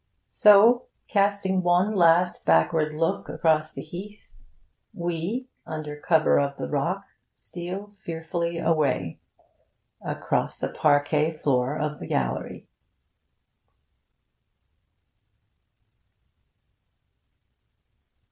So, casting one last backward look across the heath, we, under cover of the rock, steal fearfully away across the parquet floor of the gallery.